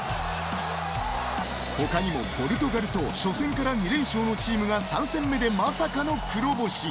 他にもポルトガルと初戦から２連勝のチームが３戦目でまさかの黒星。